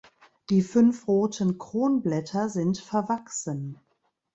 Die fünf roten Kronblätter sind verwachsen.